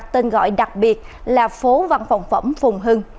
tên gọi đặc biệt là phố văn phòng phẩm phùng hưng